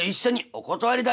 「お断りだよ！」。